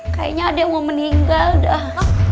kayaknya ada yang mau meninggal dah